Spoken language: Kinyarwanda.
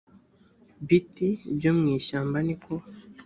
biti byo mu ishyamba ni ko